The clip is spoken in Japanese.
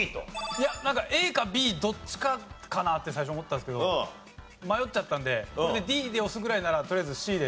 いやなんかＡかＢどっちかかなって最初思ったんですけど迷っちゃったんでＤで押すぐらいならとりあえずＣで。